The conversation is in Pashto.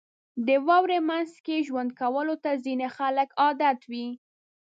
• د واورې مینځ کې ژوند کولو ته ځینې خلک عادت وي.